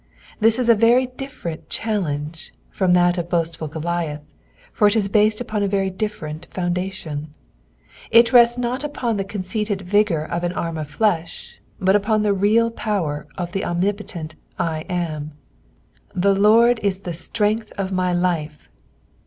This is a very different chBllenBs from that of boastful Ooliath, for it is based upon a very different foundation ; it rests not upon the conceited vigour of an arm of lieah, but upon the real power of the omnipotent I AM. " The Lord is the strength of my life.'''